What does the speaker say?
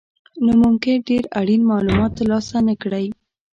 نو ممکن ډېر اړین مالومات ترلاسه نه کړئ.